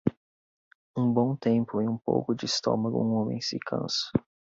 Um bom tempo e um pouco de estômago um homem se cansa.